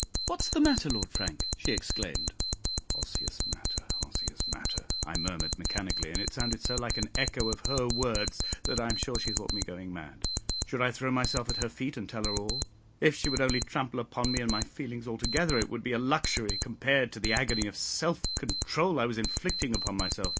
what's the matter, Lord Frank?" she exclaimed. "Osseous matter, osseous matter," I murmured mechanically, and it sounded so like an echo of her words that I am sure she thought me going mad. Should I throw myself at her feet and tell her all? If she would only trample upon me and my feelings together, it would be a luxury compared to the agony of self control I was inflicting upon myself.